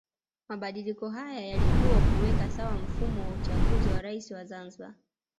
Mabadiliko haya yalikuja kuweka sawa mfumo wa uchaguzi wa Rais wa Zanzibar